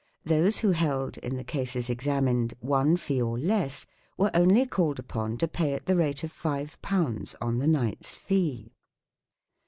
Those who held, in the cases examined, one fee or less, were only called upon to pay at the rate of 5 on the knight's fee.